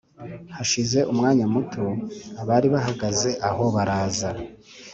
Hashize umwanya muto, abari bahagaze aho baraza